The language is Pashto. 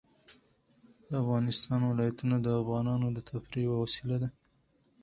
د افغانستان ولايتونه د افغانانو د تفریح یوه وسیله ده.